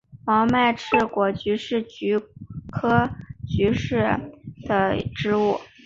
毛脉翅果菊是菊科翅果菊属的植物。